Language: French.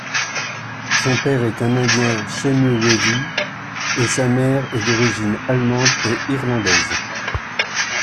Son père est un indien Chemehuevi et sa mère est d’origine allemande et irlandaise.